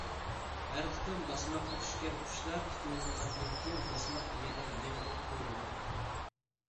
ھەر قېتىم باسماققا چۈشكەن قۇشلار تۇتۇۋېلىنغاندىن كېيىن، باسماق يەنە يېڭىدىن قويۇلىدۇ.